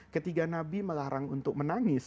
ketika nabi melarang untuk menangis